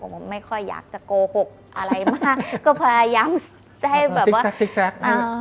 ก็พยายามซิกแซก